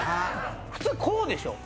普通こうでしょ。